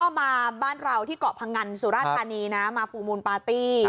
ก็มาบ้านเราที่เกาะพังงันสุราธานีนะมาฟูมูลปาร์ตี้